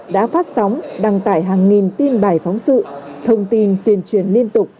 đã phát sóng đăng tải hàng nghìn tin bài phóng sự thông tin tuyên truyền liên tục